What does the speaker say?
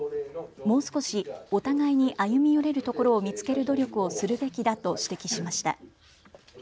もう少しお互いに歩み寄れるところを見つける努力をするべきだと指摘しました。